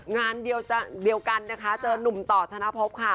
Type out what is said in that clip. งานเดียวกันนะคะเจอนุ่มต่อธนภพค่ะ